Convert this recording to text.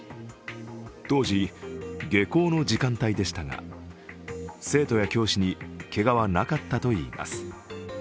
当時、下校の時間帯でしたが、生徒や教師にけがはなかったといいます。